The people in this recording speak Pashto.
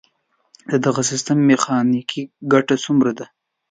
د دغه سیستم میخانیکي ګټه څومره ده؟